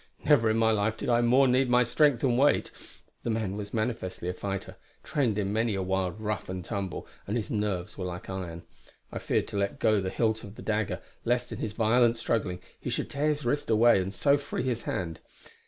Never in my life did I more need my strength and weight. The man was manifestly a fighter, trained in many a wild 'rough and tumble', and his nerves were like iron. I feared to let go the hilt of the dagger, lest in his violent struggling he should tear his wrist away and so free his hand.